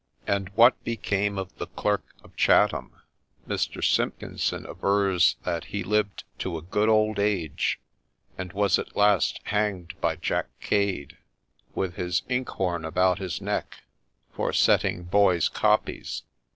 And what became of the Clerk of Chatham ?— Mr. Simpkinson avers that he lived to a good old age, and was at last hanged by Jack Cade, with his inkhorn about his neck, for ' setting boys copies.'